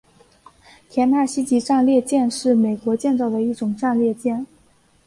田纳西级战列舰是美国建造的一种战列舰。